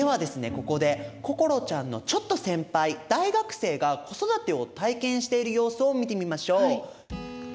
ここで心ちゃんのちょっと先輩大学生が子育てを体験している様子を見てみましょう。